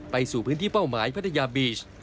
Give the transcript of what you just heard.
ไปสู่พื้นที่เป้าหมายพัทยาบีช